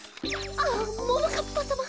ああももかっぱさま！